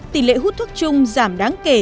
tỉ lệ hút thuốc chung giảm đáng kể